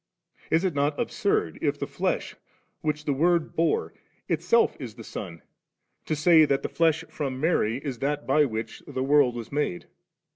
is it not absurd, if the flesh, which the Word bore, itself is the Son, to say that the flesh from Mary is that by which the world was made